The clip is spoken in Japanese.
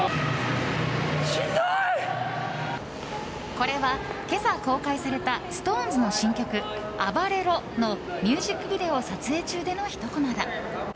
これは今朝公開されたＳｉｘＴＯＮＥＳの新曲「ＡＢＡＲＥＲＯ」のミュージックビデオ撮影中でのひとコマだ。